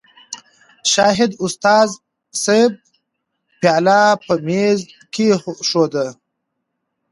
شاهد استاذ صېب پياله پۀ مېز کېښوده